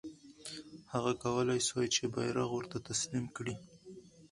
هغه کولای سوای چې بیرغ ورته تسلیم کړي.